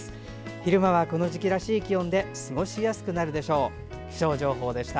昼間はこの時期らしい気温で過ごしやすくなるでしょう。